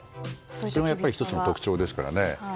それも１つの特徴ですからね。